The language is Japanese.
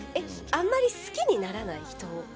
あんまり好きにならない？人を。